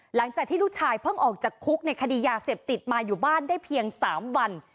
หลังจากที่ลูกชายเพิ่งออกจากคุกในคดียาเสพติดมาอยู่บ้านได้เพียง๓วัน